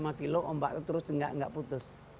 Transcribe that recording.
jadi tiga puluh lima kilo ombaknya terus nggak putus